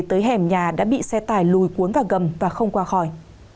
tới hẻm nhà đã bị xe tải lùi cuốn vào gầm và không qua khỏi